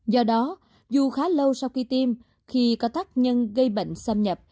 do đó dù khá lâu sau khi tiêm khi có tác nhân gây bệnh xâm nhập